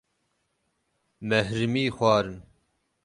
Me hirmî xwarin.